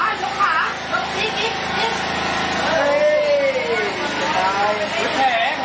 อันดับที่สุดท้ายก็จะเป็น